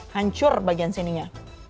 hancur bagian sininya